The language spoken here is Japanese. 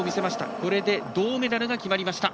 これで、銅メダルが決まりました。